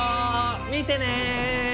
見てね！